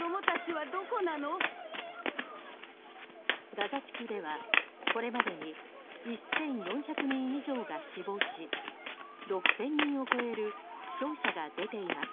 ガザ地区ではこれまでに１４００人以上が死亡し６０００人を超える負傷者が出ています。